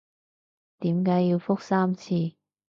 點解要覆三次？